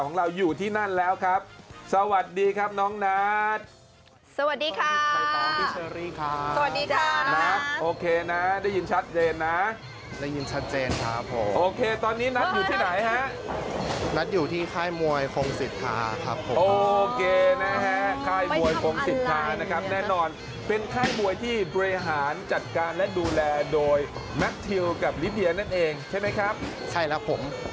สวัสดีครับน้องนัทสวัสดีค่ะสวัสดีค่ะนัทโอเคนะได้ยินชัดเจนนะได้ยินชัดเจนครับผมโอเคตอนนี้นัทอยู่ที่ไหนฮะนัทอยู่ที่ค่ายมวยคงสิทธาครับผมโอเคนะฮะค่ายมวยคงสิทธานะครับแน่นอนเป็นค่ายมวยที่บริหารจัดการและดูแลโดยแมททิวกับลิเดียนั่นเองใช่ไหมครับใช่ครับผม